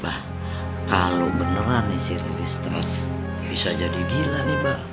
bah kalo beneran nih si rere stress bisa jadi gila nih bah